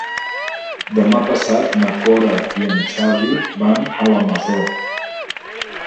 Demà passat na Cora i en Xavi van a la Masó.